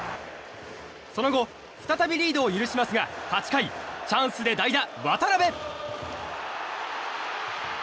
その後、再びリードを許しますが８回、チャンスで代打、渡邉。